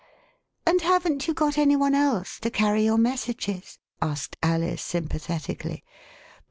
And haven't you got any one else to carry your messages ?" asked Alice sympathetically.